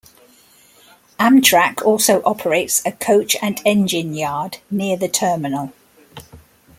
Amtrak also operates a coach and engine yard near the terminal.